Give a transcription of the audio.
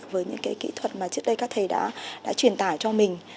với những cái kỹ thuật mà trước đây các thầy đã truyền tải cho mình